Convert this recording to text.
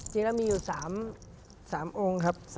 จริงแล้วมีอยู่๓องค์ครับ